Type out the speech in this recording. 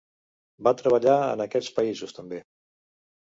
Va treballar en aquests països també.